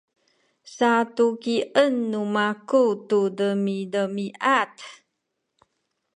satukien nu maku tu demidemiad